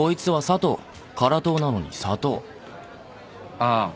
ああ。